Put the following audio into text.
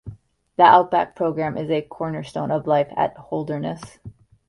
The "Out Back" program is a cornerstone of life at Holderness.